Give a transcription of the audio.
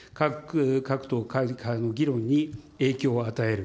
各党、会派の議論に影響を与える。